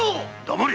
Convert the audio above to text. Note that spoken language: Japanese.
黙れ！